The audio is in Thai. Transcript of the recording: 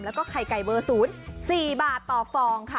แล้วก็ไข่ไก่เบอร์๐๔บาทต่อฟองค่ะ